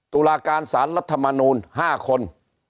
ตุลาการสารรัฐมนูล๕คน